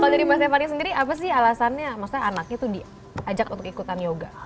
kalau dari mbak stefani sendiri apa sih alasannya maksudnya anaknya itu diajak untuk ikutan yoga